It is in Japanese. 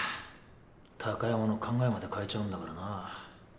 貴山の考えまで変えちゃうんだからな。